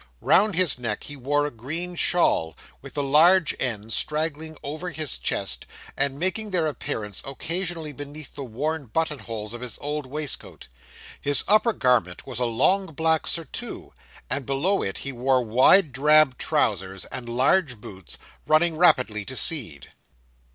Round his neck he wore a green shawl, with the large ends straggling over his chest, and making their appearance occasionally beneath the worn button holes of his old waistcoat. His upper garment was a long black surtout; and below it he wore wide drab trousers, and large boots, running rapidly to seed.